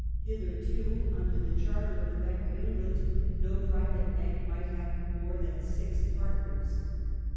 Hitherto, under the charter of the Bank of England, no private bank might have more than six pai tners.